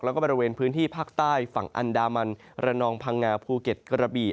แล้วก็บริเวณพื้นที่ภาคใต้ฝั่งอันดามันระนองพังงาภูเก็ตกระบี่